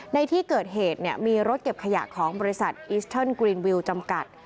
ในที่เกิดเหตุมีรถเก็บขยะของบริษัทอิสเทิร์นกรีนวิวจำกัด